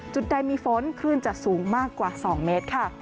จุดใดมีฝนคลื่นจะสูงมากกว่า๒เมตรค่ะ